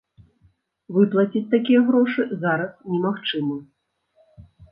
Выплаціць такія грошы зараз немагчыма.